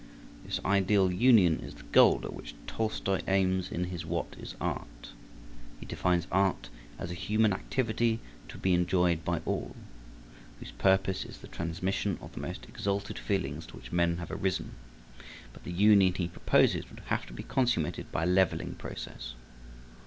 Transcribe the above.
This ideal union is the goal at which Tolstoi aims in his "What is Art?" He defines art as a human activity to be enjoyed by all, whose purpose is the transmission of the most exalted feelings to which men have arisen; but the union he proposes would have to be consummated by a leveling process.